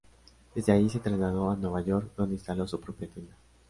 Desde allí se trasladó a Nueva York, donde instaló su propia tienda.